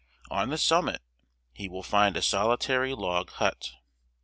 On the summit he Will find a solitary log hut.